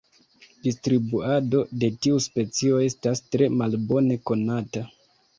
Distribuado de tiu specio estas tre malbone konata.